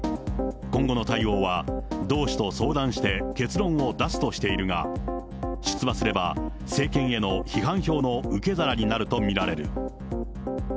今後の対応は、同志と相談して、結論を出すとしているが、出馬すれば政権への批判票の受け皿になると見られる。